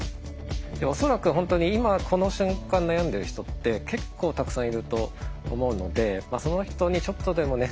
恐らく本当に今この瞬間悩んでる人って結構たくさんいると思うのでその人にちょっとでもね